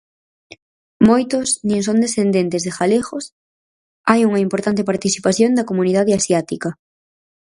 Moitos nin son descendentes de galegos, hai unha importante participación da comunidade asiática.